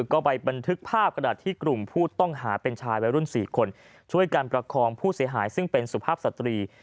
ก็ไปบันทึกภาพกระดาษที่กลุ่มผู้ต้องหาเป็นชายวัยรุ่น๔คนช่วยการประคองผู้เสียหายซึ่งเป็นสุภาพสตรี